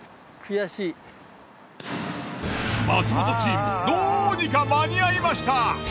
松本チームどうにか間に合いました！